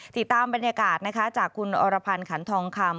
ติดตามบรรยากาศนะคะจากคุณอรพันธ์ขันทองคำ